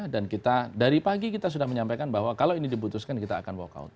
dan dari pagi kita sudah menyampaikan bahwa kalau ini dibutuhkan kita akan walk out